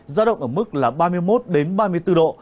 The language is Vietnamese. giao động ở mức là ba mươi một đến ba mươi bốn độ